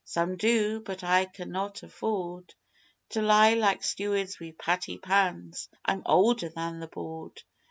Some do; but I can not afford To lie like stewards wi' patty pans. I'm older than the Board.